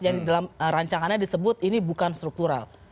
yang dalam rancangannya disebut ini bukan struktural